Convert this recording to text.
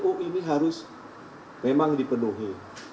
oh ini harus memang dipenuhi